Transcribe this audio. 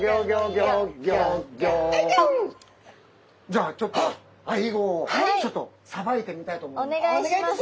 じゃあちょっとアイゴをさばいてみたいと思います。